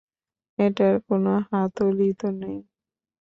এটার কোন হাতল ই তো নেই।